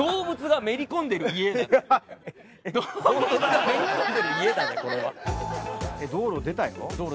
動物がめり込んでる家だねこれは。道路出たよ。